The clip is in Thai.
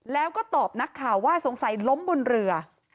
แล้วก็ตอบนักข่าวว่าสงสัยล้มบนเรือ